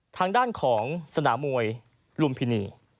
ทางด้านของสนามมวยลุมพินี